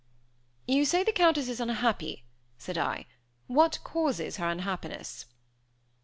"You say the Countess is unhappy," said I. "What causes her unhappiness?"